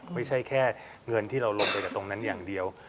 ไม่ใช่แค่เงินที่เราลงไปจากตรงนั้นอย่างเดียว